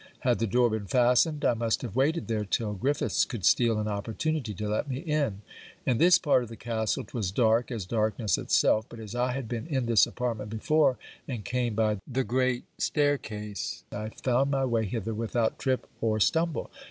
Had the door been fastened, I must have waited there till Griffiths could steal an opportunity to let me in. In this part of the castle 'twas dark, as darkness itself; but as I had been in this apartment before, and came by the great stair case, I found my way hither without trip or stumble.